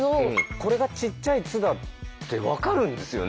これがちっちゃい「つ」だって分かるんですよね。